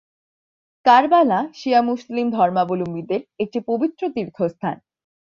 কারবালা শিয়া মুসলিম ধর্মাবলম্বীদের একটি পবিত্র তীর্থস্থান।